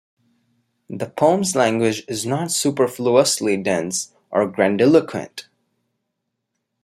The poem's language is not superfluously dense or grandiloquent.